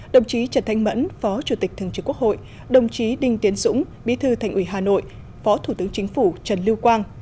đồng chí trần thanh mẫn phó chủ tịch thường trực quốc hội đồng chí đinh tiến dũng bí thư thành ủy hà nội phó thủ tướng chính phủ trần lưu quang